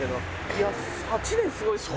いや８年すごいっすね。